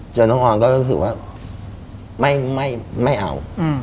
น้องออนก็รู้สึกว่าไม่เอา